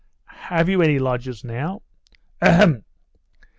'Have you any lodgers now?' 'Ahem!